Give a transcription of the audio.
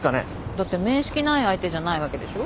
だって面識ない相手じゃないわけでしょ？